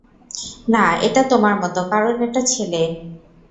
না, এটা তোমার মত, কারণ এটা ছেলে।